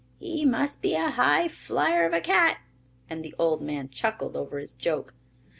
"He must be a high flyer of a cat," and the old man chuckled over his joke.